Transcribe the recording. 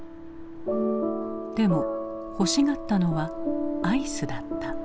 でも欲しがったのはアイスだった。